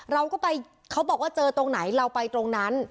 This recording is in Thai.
เราก็ไปเขาบอกว่าเจอตรงไหนเราไปตรงนั้น